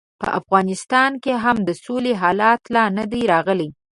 په افغانستان کې هم د سولې حالت لا نه دی راغلی.